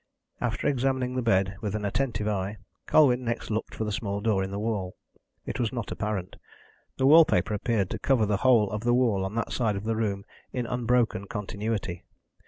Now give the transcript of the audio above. After examining the bed with an attentive eye, Colwyn next looked for the small door in the wall. It was not apparent: the wall paper appeared to cover the whole of the wall on that side of the room in unbroken continuity.